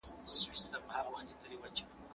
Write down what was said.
زه له سهاره د سبا لپاره د ليکلو تمرين کوم!؟